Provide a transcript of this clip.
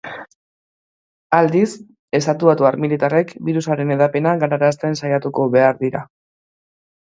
Aldiz, estatubatuar militarrek birusaren hedapena galarazten saiatuko behar dira.